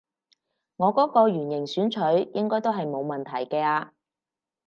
我嗰個圓形選取應該都係冇問題嘅啊